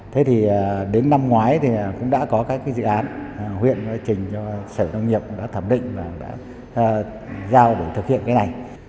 thế thì đến năm ngoái thì cũng đã có các cái dự án huyện trình cho sở nông nghiệp đã thẩm định và đã giao để thực hiện cái này